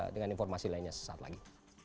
dan informasi lainnya sesaat lagi